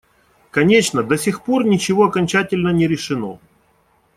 Конечно, до сих пор ничего окончательно не решено.